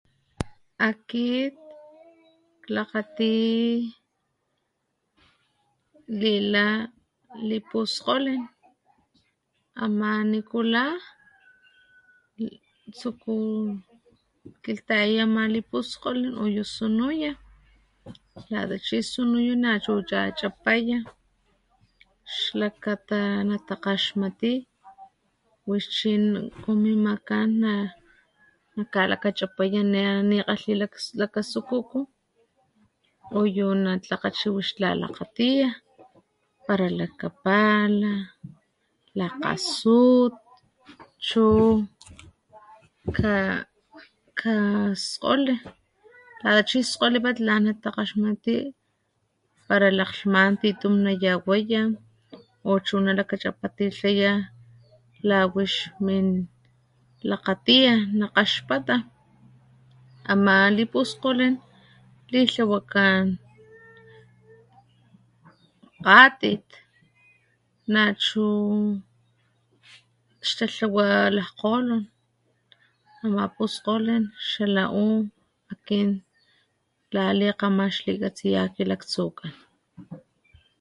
Akit klakgati lila lipuskgolin ama nikula tsuku kilhtayaya ama lipuskulin uyu sunuya lata chi sunuya nachu chachapaya xlakata natakgaxmati wix chi kon min makan nakalakachapaya ana ninakgatlí lakasukuku uyu natlakga wix la nalakgatiya para lakapala lakgasut chu ka kaskgoli lata chi skgolipat lan natakgaxmati para lakglhman titun nayawaya o chu nalakachapatilhaya lawix min lakgatiya na kaxpata ama lipuskgolin litlawakan kgatit nachu xtatlawa lakgkgolon ama puskgolin xala u akin la likgaman xlikatsiya akin laktsukan